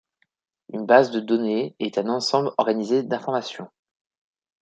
Une base de données est un ensemble organisé d'informations.